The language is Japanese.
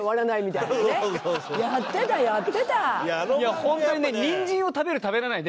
いやホントにね。